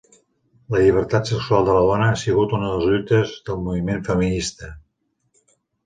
La llibertat sexual de la dona ha sigut una de les lluites del moviment feminista.